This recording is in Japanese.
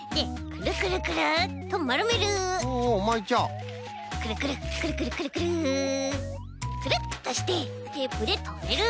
くるくるくるくるくるくるくるっとしてテープでとめる。